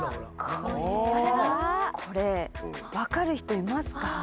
これ分かる人いますか？